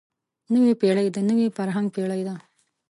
نوې پېړۍ د نوي فرهنګ پېړۍ ده.